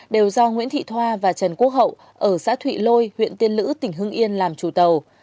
đều do nguyễn thị thoa và trần quốc hậu ở xã thụy lôi huyện tiên lữ tỉnh hưng yên làm chủ tàu